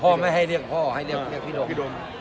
เราจะเรียกพี่พี่ดมไม่ได้พี่ดม